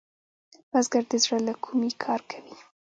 بزګر د زړۀ له کومي کار کوي